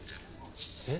えっ？